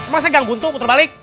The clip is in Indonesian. masa gak butuh aku terbalik